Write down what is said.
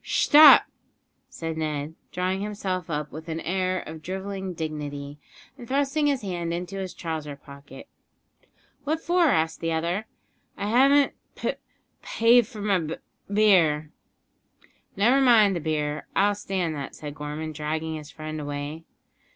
"Shtop!" said Ned, drawing himself up with an air of drivelling dignity, and thrusting his hand into his trouser pocket. "What for?" asked the other. "I haven't p paid for my b beer." "Never mind the beer. I'll stand that," said Gorman, dragging his friend away.